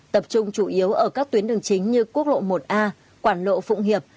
tập trung chủ yếu ở các tuyến đường chính như quốc lộ một a quảng lộ phụng hiệp